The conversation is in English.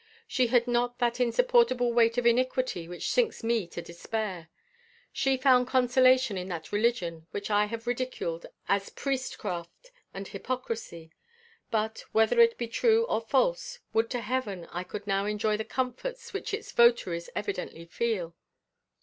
She had not that insupportable weight of iniquity which sinks me to despair. She found consolation in that religion which I have ridiculed as priestcraft and hypocrisy. But, whether it be true or false, would to Heaven I could now enjoy the comforts which its votaries evidently feel.